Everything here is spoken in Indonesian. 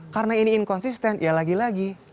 karena ini inkonsisten ya lagi lagi